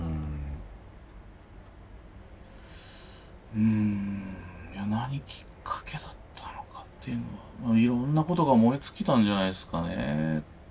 うんいや何きっかけだったのかっていうのはまあいろんなことが燃え尽きたんじゃないですかね。